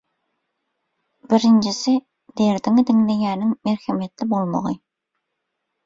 Birinjisi derdiňi diňleýäniň merhemetli bolmagy.